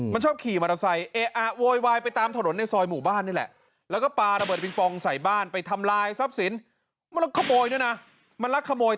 มันชอบขี่มอเตอร์ไซค์